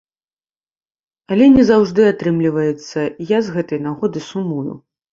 Але не заўжды атрымліваецца, і я з гэтай нагоды сумую.